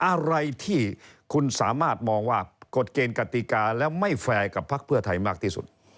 อะไรที่คุณสามารถมองว่ากฎเกณฑ์กติกาแล้วไม่แฟร์กับพักเพื่อไทยมากที่สุด